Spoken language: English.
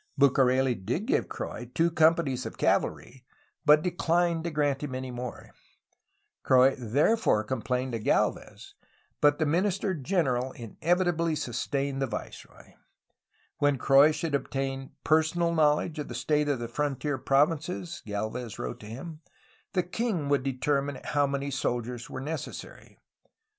Bucareli did give Croix two companies of cavalry, but declined to grant him any more. Croix there upon complained to Gdlvez, but the Minister General in COMMANDANCY GENERAL OF FRONTIER PROVINCES 323 evitably sustained the viceroy. When Croix should obtain personal knowledge of the state of the frontier provinces, Gdlvez wrote to him, the king would determine how many soldiers were necessary.